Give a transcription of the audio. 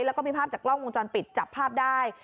แล้วก็มีภาพจากกล้องวงจรปิดจับภาพได้